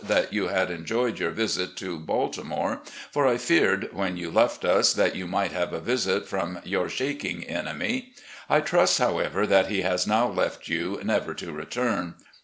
that you had enjoyed your visit to Baltimore, for I feared when you left us that you might have a visit from your shaking enemy. I trust, however, that he has now left you never to return.